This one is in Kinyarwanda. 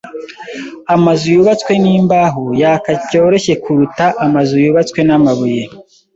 Amazu yubatswe nimbaho yaka byoroshye kuruta amazu yubatswe mumabuye.